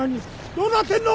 どうなってんの！？